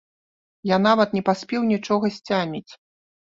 Я нават не паспеў нічога сцяміць!